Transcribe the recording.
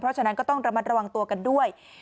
เพราะฉะนั้นก็ต้องระมัดระวังตัวกันด้วย